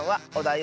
はい！